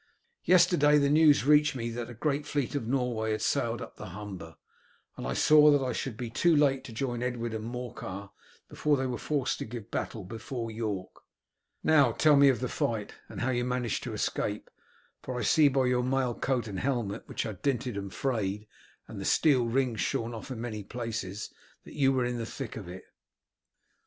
Yesterday the news reached me that the great fleet of Norway had sailed up the Humber, and I saw that I should be too late to join Edwin and Morcar before they were forced to give battle before York. Now tell me of the fight, and how you managed to escape, for I see by your mail coat and helmet, which are dinted and frayed and the steel rings shorn off in many places, that you were in the thick of it."